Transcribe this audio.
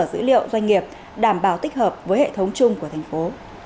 cơ sở dữ liệu doanh nghiệp đảm bảo tích hợp với hệ thống chung của thành phố